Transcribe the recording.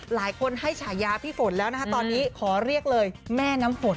หลายคนให้ฉายาพี่ฝนแล้วนะคะตอนนี้ขอเรียกเลยแม่น้ำฝน